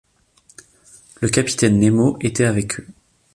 Le capitaine Nemo était avec eux.